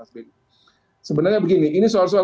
sebenarnya begini ini soal soal